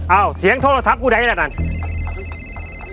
เอ้าเสียงโทรศัพท์กูได้ไงด้านนั้น